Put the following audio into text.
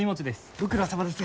ご苦労さまです。